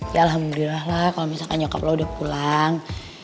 ya alhamdulillah lah kalau misalkan nyokap lo udah pulang